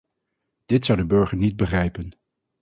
Dit zou de burger niet begrijpen.